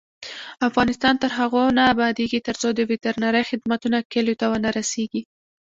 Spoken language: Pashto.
افغانستان تر هغو نه ابادیږي، ترڅو د وترنري خدمتونه کلیو ته ونه رسیږي.